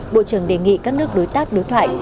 bộ trưởng đề nghị các nước đối tác đối thoại